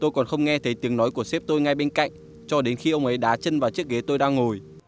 tôi còn không nghe thấy tiếng nói của xếp tôi ngay bên cạnh cho đến khi ông ấy đá chân vào chiếc ghế tôi đang ngồi